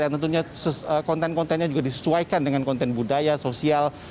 tentunya konten kontennya juga disesuaikan dengan konten budaya sosial